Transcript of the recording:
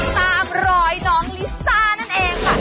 ตามรอยน้องลิซ่านั่นเองค่ะ